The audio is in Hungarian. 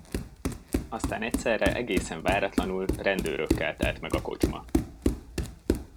Aztán egyszerre egészen váratlanul rendőrökkel telt meg a kocsma.